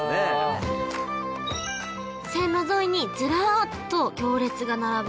線路沿いにずらーっと行列が並ぶ